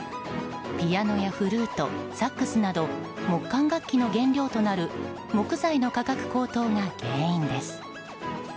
ピアノやフルート、サックスなど木管楽器の原料となる木材の価格高騰が原因です。